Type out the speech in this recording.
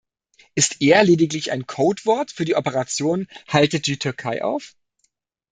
Ist er lediglich ein Kodewort für die Operation "Haltet die Türkei auf"?